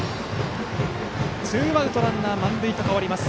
ツーアウトランナー、満塁と変わります